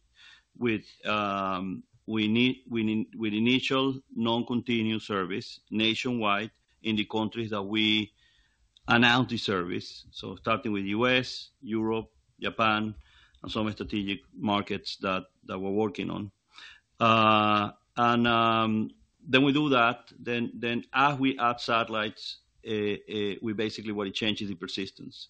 initial non-continuous service nationwide in the countries that we announce the service, starting with the U.S., Europe, Japan, and some strategic markets that we're working on. We do that, then as we add satellites, basically what it changes is the persistence.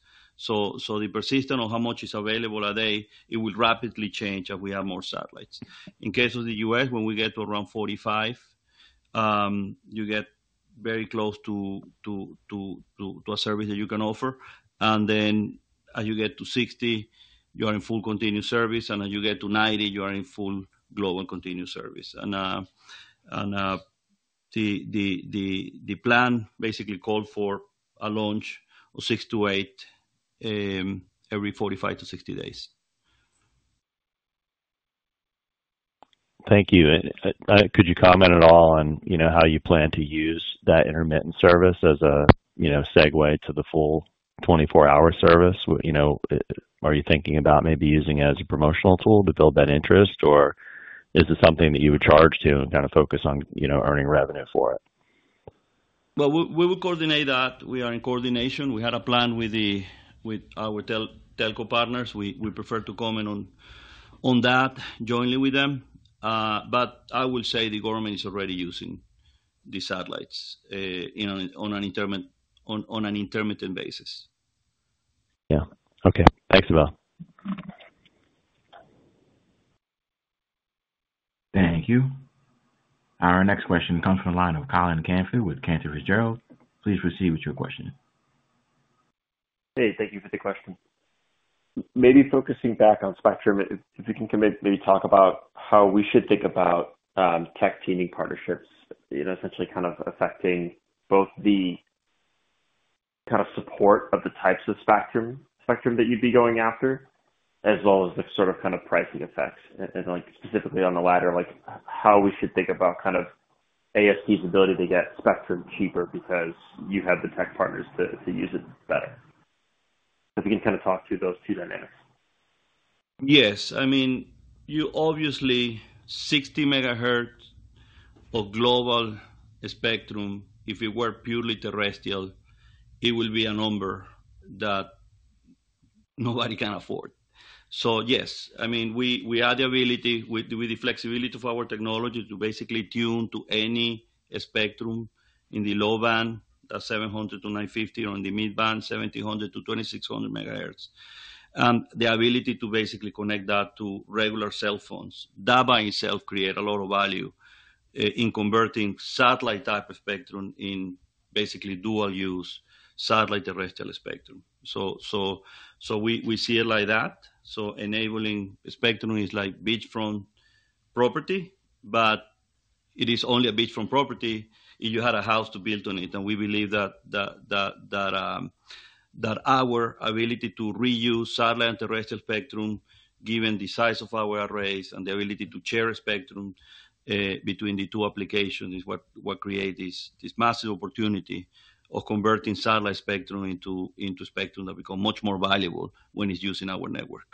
The persistence of how much is available a day will rapidly change as we add more satellites. In the case of the U.S., when we get to around 45, you get very close to a service that you can offer. As you get to 60, you are in full continuous service. As you get to 90, you are in full global continuous service. The plan basically calls for a launch of six to eight every 45 to 60 days. Thank you. Could you comment at all on how you plan to use that intermittent service as a segue to the full 24-hour service? Are you thinking about maybe using it as a promotional tool to build that interest, or is this something that you would charge to and kind of focus on earning revenue for it? We are in coordination. We had a plan with our telco partners. We prefer to comment on that jointly with them. I will say the government is already using the satellites on an intermittent basis. Yeah. OK, thanks, Abel. Thank you. Our next question comes from the line of Colin Canfield with Cantor Fitzgerald. Please proceed with your question. Thank you for the question. Maybe focusing back on spectrum, if you can maybe talk about how we should think about tech teaming partnerships, essentially kind of affecting both the kind of support of the types of spectrum that you'd be going after, as well as the sort of kind of pricing effects. Specifically on the latter, how we should think about AST's ability to get spectrum cheaper because you have the tech partners to use it better. If you can kind of talk to those two there. Yes. I mean, you obviously, 60 MHz of global spectrum, if it were purely terrestrial, it would be a number that nobody can afford. Yes, we have the ability with the flexibility of our technology to basically tune to any spectrum in the low band, that's 700 MHz-950 MHz, or in the mid band, 1,700 MHz-2,600 MHz. The ability to basically connect that to regular cell phones, that by itself creates a lot of value in converting satellite type of spectrum in basically dual-use satellite terrestrial spectrum. We see it like that. Enabling spectrum is like beachfront property, but it is only beachfront property if you have a house to build on it. We believe that our ability to reuse satellite and terrestrial spectrum, given the size of our arrays and the ability to share spectrum between the two applications, is what creates this massive opportunity of converting satellite spectrum into spectrum that becomes much more valuable when it's used in our network.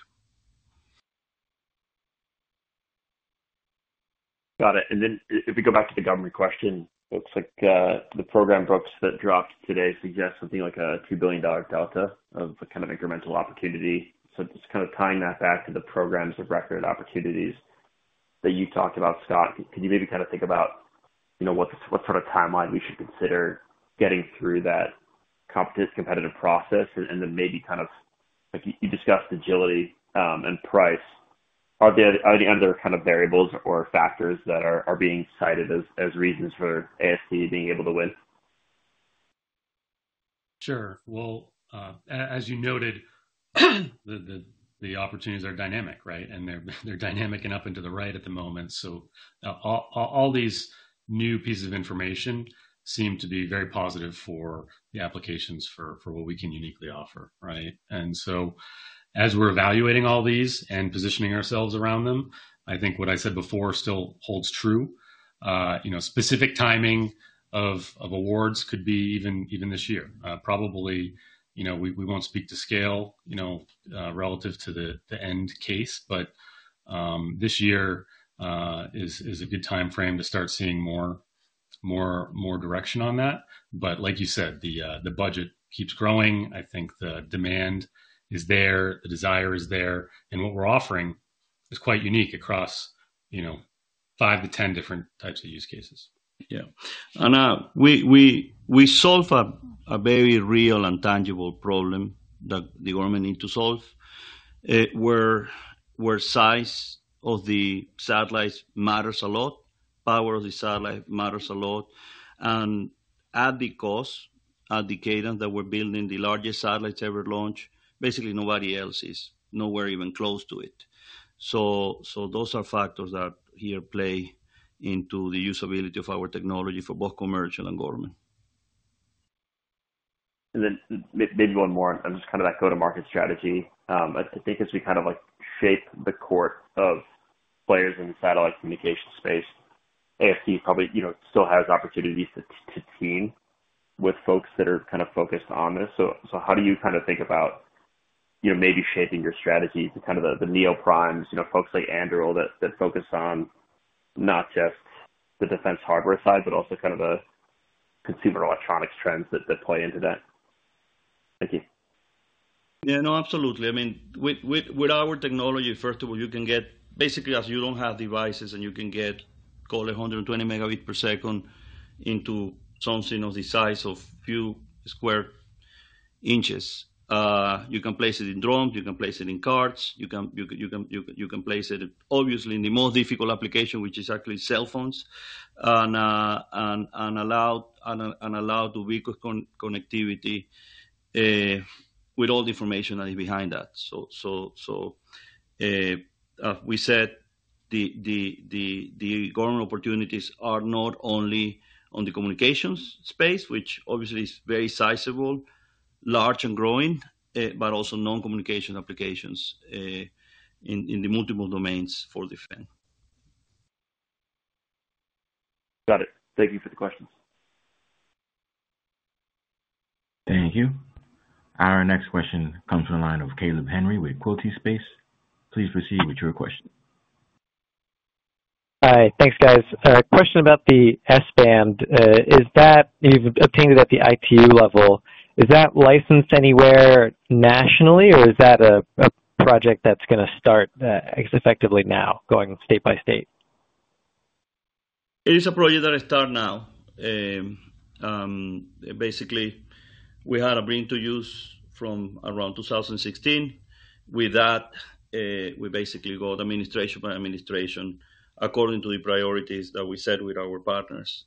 Got it. If we go back to the government question, it looks like the program books that dropped today suggest something like a $2 billion delta of kind of incremental opportunity. Just tying that back to the programs of record opportunities that you've talked about, Scott, could you maybe think about what sort of timeline we should consider getting through that competitive process? Maybe, like you discussed, agility and price. Are there any other variables or factors that are being cited as reasons for AST being able to win? Sure. As you noted, the opportunities are dynamic, right? They're dynamic and up and to the right at the moment. All these new pieces of information seem to be very positive for the applications for what we can uniquely offer, right? As we're evaluating all these and positioning ourselves around them, I think what I said before still holds true. Specific timing of awards could be even this year. Probably, we won't speak to scale, you know, relative to the end case. This year is a good time frame to start seeing more direction on that. Like you said, the budget keeps growing. I think the demand is there. The desire is there. What we're offering is quite unique across five to 10 different types of use cases. Yeah. We solve a very real and tangible problem that the government needs to solve, where size of the satellites matters a lot. The power of the satellite matters a lot. At the cost, at the cadence that we're building, the largest satellites ever launched, basically nobody else is nowhere even close to it. Those are factors that here play into the usability of our technology for both commercial and government. Maybe one more, just kind of that go-to-market strategy. I think as we kind of shape the court of players in the satellite communication space, AST probably still has opportunities to team with folks that are kind of focused on this. How do you kind of think about maybe shaping your strategy to kind of the neoprimes, folks like Andrew that focus on not just the defense hardware side, but also kind of the consumer electronics trends that play into that? Thank you. Absolutely. I mean, with our technology, first of all, you can get basically, as you don't have devices, and you can get, call it, 120 Mbps into something of the size of a few square inches. You can place it in drones, you can place it in cars, you can place it, obviously, in the most difficult application, which is actually cell phones, and allow to be quick connectivity with all the information that is behind that. As we said, the government opportunities are not only on the communications space, which obviously is very sizable, large, and growing, but also non-communication applications in the multiple domains for defense. Got it. Thank you for the questions. Thank you. Our next question comes from the line of Caleb Henry with Quilty Space. Please proceed with your question. Hi, thanks, guys. Question about the S-Band. You've obtained it at the ITU level. Is that licensed anywhere nationally, or is that a project that's going to start effectively now, going state by state? It is a project that starts now. Basically, we had a bring-to-use from around 2016. With that, we basically got administration by administration according to the priorities that we set with our partners,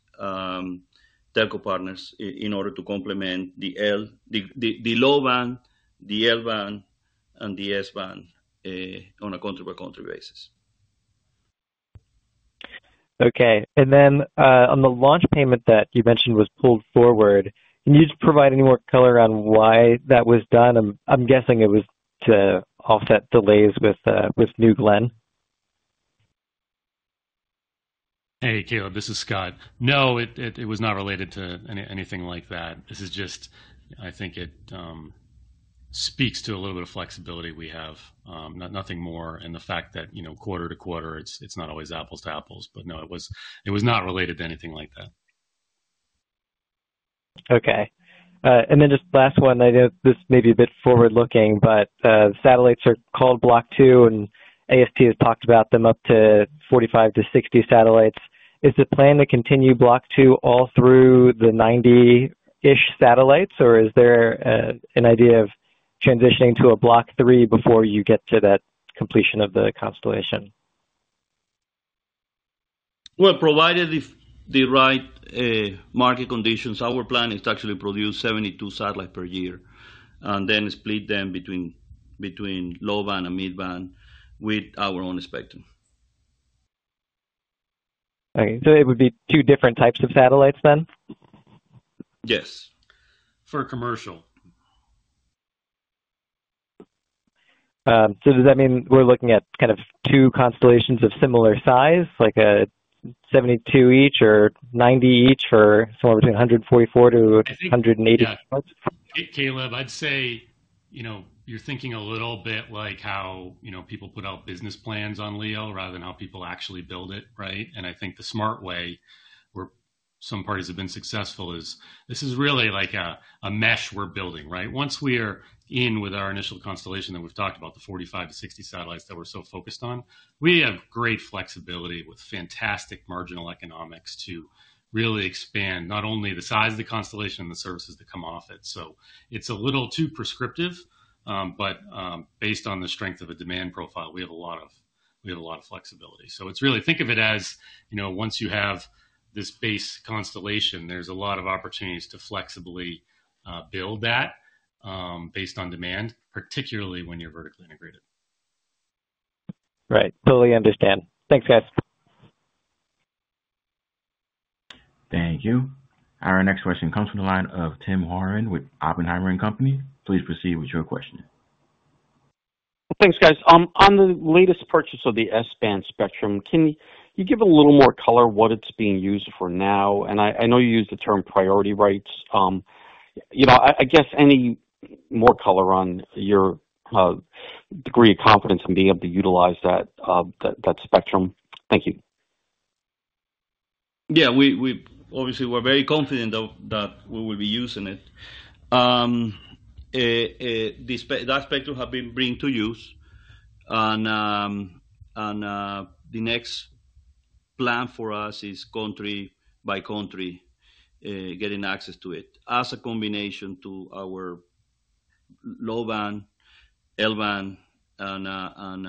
telco partners, in order to complement the low band, the L-Band, and the S-Band on a country-by-country basis. OK. On the launch payment that you mentioned was pulled forward, can you provide any more color on why that was done? I'm guessing it was to offset delays with New Glenn. Hey, Caleb, this is Scott. No, it was not related to anything like that. This just speaks to a little bit of flexibility we have, nothing more, and the fact that quarter to quarter, it's not always apples to apples. No, it was not related to anything like that. OK. Just the last one. I know this may be a bit forward-looking, but the satellites are called Block 2, and AST has talked about them up to 45-60 satellites. Is the plan to continue Block 2 all through the 90-ish satellites, or is there an idea of transitioning to a Block 3 before you get to that completion of the constellation? Provided the right market conditions, our plan is to actually produce 72 satellites per year and then split them between low band and mid band with our own spectrum. OK. It would be two different types of satellites then? Yes, for commercial. Does that mean we're looking at kind of two constellations of similar size, like a 72 each or 90 each for somewhere between 144-180? Hey, Caleb, I'd say you're thinking a little bit like how people put out business plans on LEO rather than how people actually build it, right? I think the smart way where some parties have been successful is this is really like a mesh we're building, right? Once we are in with our initial constellation that we've talked about, the 45-60 satellites that we're so focused on, we have great flexibility with fantastic marginal economics to really expand not only the size of the constellation and the services that come off it. It's a little too prescriptive, but based on the strength of a demand profile, we have a lot of flexibility. Think of it as once you have this base constellation, there's a lot of opportunities to flexibly build that based on demand, particularly when you're vertically integrated. Right. Totally understand. Thanks, guys. Thank you. Our next question comes from the line of Tim Horan with Oppenheimer & Co. Please proceed with your question. Thanks, guys. On the latest purchase of the S-Band spectrum, can you give a little more color what it's being used for now? I know you use the term priority rights. Any more color on your degree of confidence in being able to utilize that spectrum? Thank you. Yeah, we obviously were very confident that we would be using it. That spectrum has been bringing to use. The next plan for us is country by country getting access to it as a combination to our low band, L-Band, and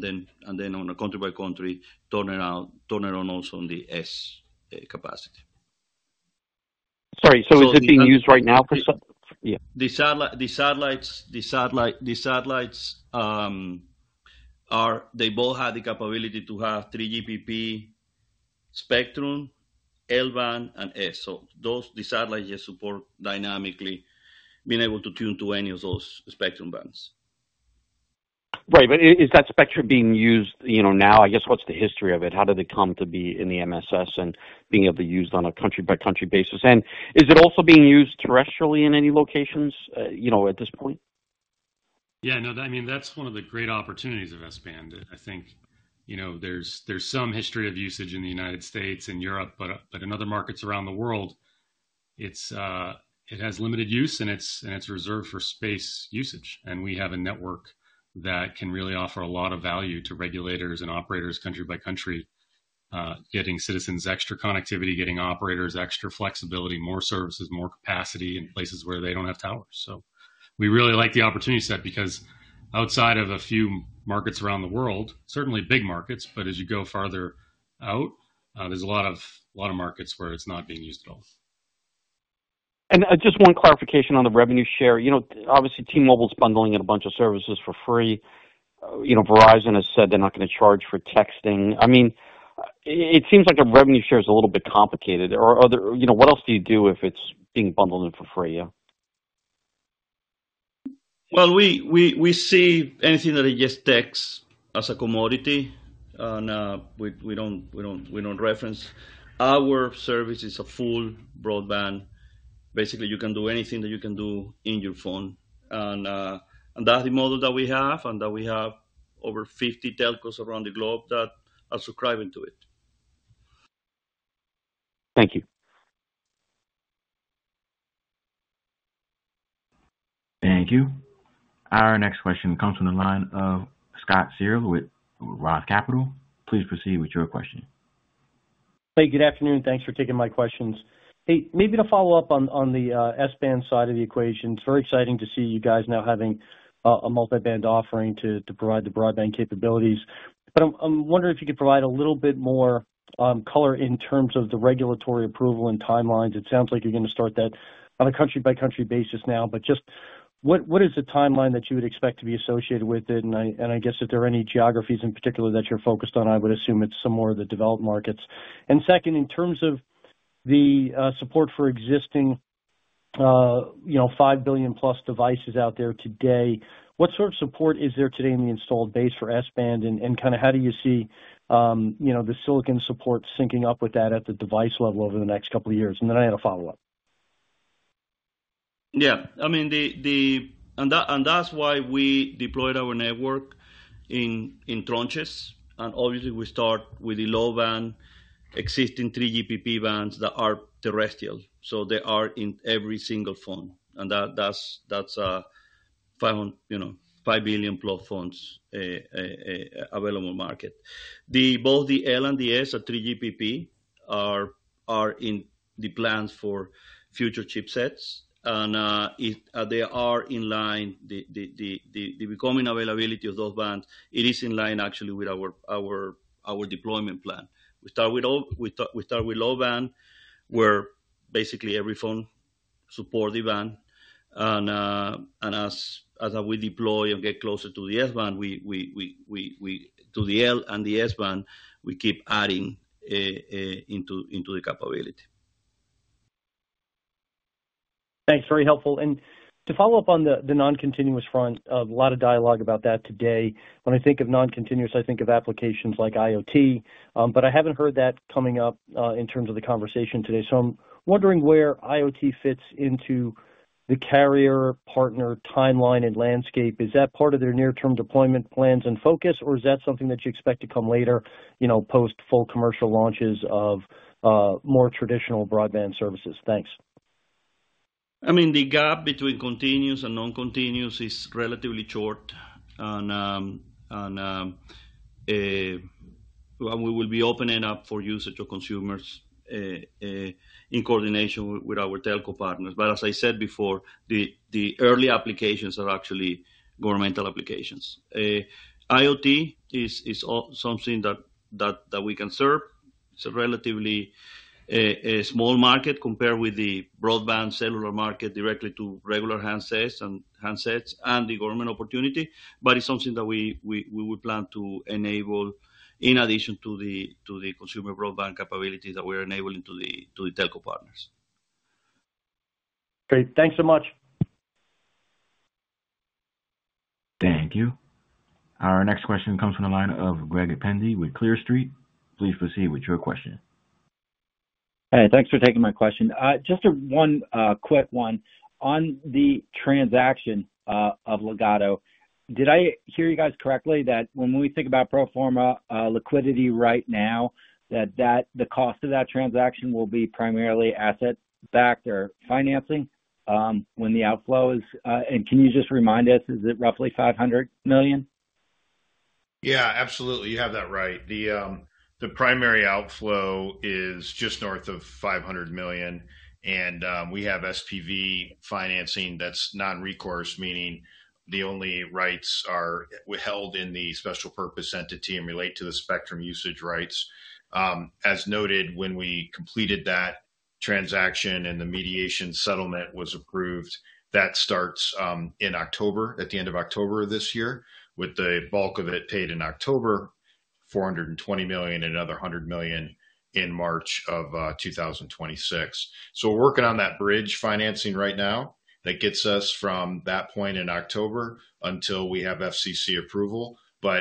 then on a country by country turnaround also on the S-Band capacity. Sorry, is it being used right now for? The satellites, they both have the capability to have 3GPP spectrum, L-Band, and S. Those satellites just support dynamically being able to tune to any of those spectrum bands. Right. Is that spectrum being used now? I guess what's the history of it? How did it come to be in the MSS and being able to be used on a country-by-country basis? Is it also being used terrestrially in any locations at this point? Yeah, no, I mean, that's one of the great opportunities of S-Band. I think there's some history of usage in the United States and Europe, but in other markets around the world, it has limited use, and it's reserved for space usage. We have a network that can really offer a lot of value to regulators and operators country by country, getting citizens extra connectivity, getting operators extra flexibility, more services, more capacity in places where they don't have towers. We really like the opportunity set because outside of a few markets around the world, certainly big markets, but as you go farther out, there's a lot of markets where it's not being used at all. Just one clarification on the revenue share. Obviously, T-Mobile is bundling in a bunch of services for free. Verizon has said they're not going to charge for texting. It seems like the revenue share is a little bit complicated. What else do you do if it's being bundled in for free? We see anything that is just text as a commodity, and we don't reference. Our service is a full broadband. Basically, you can do anything that you can do in your phone. That's the model that we have, and we have over 50 telcos around the globe that are subscribing to it. Thank you. Thank you. Our next question comes from the line of Scott Searle with Roth Capital. Please proceed with your question. Hey, good afternoon. Thanks for taking my questions. Maybe to follow up on the S-Band side of the equation, it's very exciting to see you guys now having a multi-band offering to provide the broadband capabilities. I'm wondering if you could provide a little bit more color in terms of the regulatory approval and timelines. It sounds like you're going to start that on a country-by-country basis now. What is the timeline that you would expect to be associated with it? If there are any geographies in particular that you're focused on, I would assume it's some more of the developed markets. Second, in terms of the support for existing 5+ billion devices out there today, what sort of support is there today in the installed base for S-Band? How do you see the silicon support syncing up with that at the device level over the next couple of years? I had a follow-up. Yeah, I mean, that's why we deployed our network in tranches. Obviously, we start with the low band, existing 3GPP bands that are terrestrial. They are in every single phone, and that's 5+ billion phones available in the market. Both the L and the S at 3GPP are in the plans for future chipsets, and they are in line. The becoming availability of those bands is in line actually with our deployment plan. We start with low band, where basically every phone supports the band. As we deploy and get closer to the S-Band, we keep adding into the capability. Thanks. Very helpful. To follow up on the non-continuous front, a lot of dialogue about that today. When I think of non-continuous, I think of applications like IoT. I haven't heard that coming up in terms of the conversation today. I'm wondering where IoT fits into the carrier partner timeline and landscape. Is that part of their near-term deployment plans and focus, or is that something that you expect to come later, post full commercial launches of more traditional broadband services? Thanks. I mean, the gap between continuous and non-continuous is relatively short. We will be opening up for usage of consumers in coordination with our telco partners. As I said before, the early applications are actually governmental applications. IoT is something that we can serve. It's a relatively small market compared with the broadband cellular market directly to regular handsets and the government opportunity. It's something that we would plan to enable in addition to the consumer broadband capabilities that we're enabling to the telco partners. Great. Thanks so much. Thank you. Our next question comes from the line of Greg Pendy with Clear Street. Please proceed with your question. Hey, thanks for taking my question. Just one quick one. On the transaction of Ligado, did I hear you guys correctly that when we think about pro forma liquidity right now, that the cost of that transaction will be primarily asset-backed or financing when the outflow is? Can you just remind us, is it roughly $500 million? Yeah, absolutely. You have that right. The primary outflow is just north of $500 million. We have SPV financing that's non-recourse, meaning the only rights are held in the special purpose entity and relate to the spectrum usage rights. As noted, when we completed that transaction and the mediation settlement was approved, that starts in October, at the end of October of this year, with the bulk of it paid in October, $420 million, and another $100 million in March of 2026. We're working on that bridge financing right now that gets us from that point in October until we have FCC approval.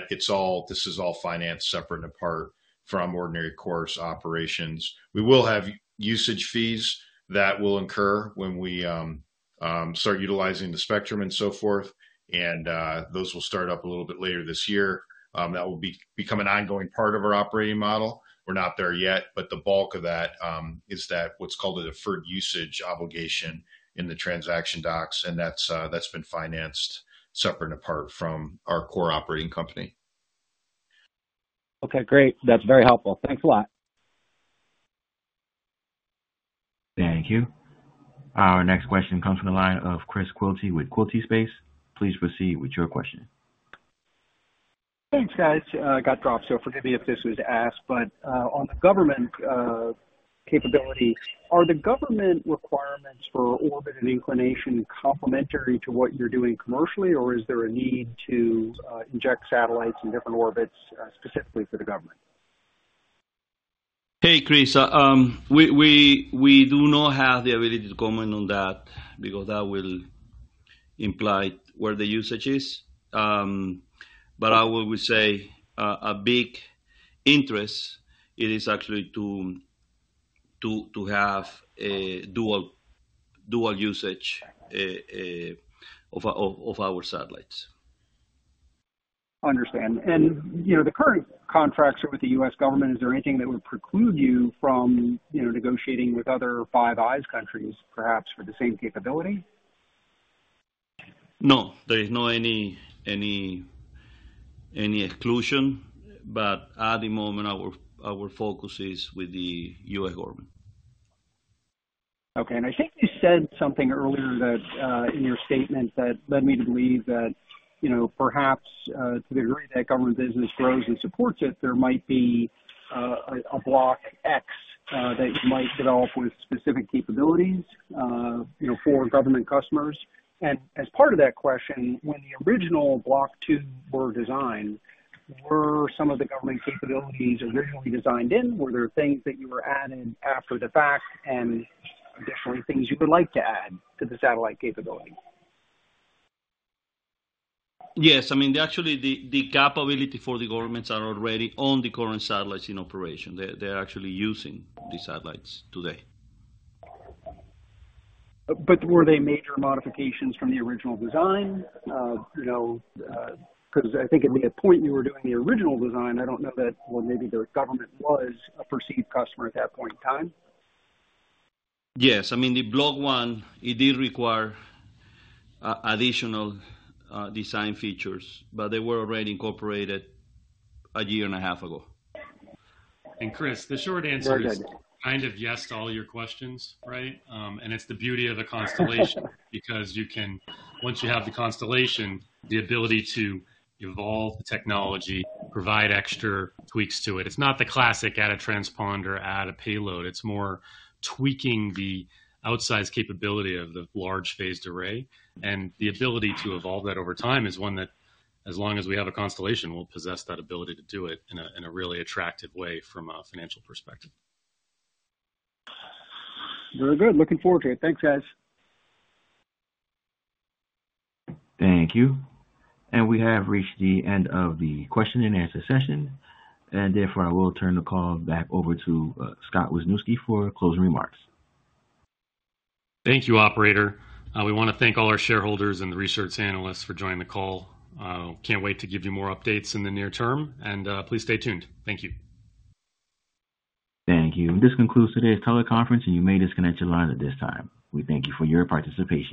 This is all financed separate and apart from ordinary course operations. We will have usage fees that will incur when we start utilizing the spectrum and so forth. Those will start up a little bit later this year. That will become an ongoing part of our operating model. We're not there yet. The bulk of that is what's called a deferred usage obligation in the transaction docs. That's been financed separate and apart from our core operating company. OK, great. That's very helpful. Thanks a lot. Thank you. Our next question comes from the line of Chris Quilty with Quilty Space. Please proceed with your question. Thanks, guys. Got dropped. Forgive me if this was asked. On the government capability, are the government requirements for orbit and inclination complementary to what you're doing commercially, or is there a need to inject satellites in different orbits specifically for the government? Hey, Chris. We do not have the ability to comment on that because that will imply where the usage is. I would say a big interest is actually to have dual usage of our satellites. Understand. The current contracts with the U.S. Government, is there anything that would preclude you from negotiating with other Five Eyes countries, perhaps for the same capability? No, there is not any exclusion. At the moment, our focus is with the U.S. Government. OK. I think you said something earlier in your statement that led me to believe that perhaps to the degree that government business grows and supports it, there might be a Block X that might develop with specific capabilities, you know, for government customers. As part of that question, when the original Block 2 were designed, were some of the government capabilities originally designed in? Were there things that you added after the fact and additional things you would like to add to the satellite capability? Yes, I mean, actually, the capability for the governments is already on the current satellites in operation. They're actually using the satellites today. Were they major modifications from the original design? You know, because I think at the point you were doing the original design, I don't know that, maybe the government was a perceived customer at that point in time. Yes, I mean, the Block 1, it did require additional design features, but they were already incorporated a year and a half ago. Chris, the short answer is kind of yes to all your questions, right? It's the beauty of the constellation because once you have the constellation, the ability to evolve technology, provide extra tweaks to it. It's not the classic add a transponder or add a payload. It's more tweaking the outsized capability of the large phased array. The ability to evolve that over time is one that, as long as we have a constellation, we'll possess that ability to do it in a really attractive way from a financial perspective. Very good. Looking forward to it. Thanks, guys. Thank you. We have reached the end of the question and answer session. Therefore, I will turn the call back over to Scott Wisniewski for closing remarks. Thank you, operator. We want to thank all our shareholders and the research analysts for joining the call. Can't wait to give you more updates in the near term. Please stay tuned. Thank you. Thank you. This concludes today's teleconference, and you may disconnect your lines at this time. We thank you for your participation.